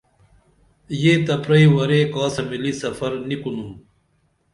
یہ تہ پرئی ورے کاسہ ملی سفر نی کُنُم